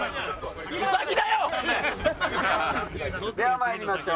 では参りましょう。